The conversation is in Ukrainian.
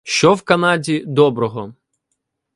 Що в Канаді доброго?